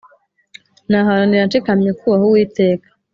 naharanira nshikamye kubaha uwiteka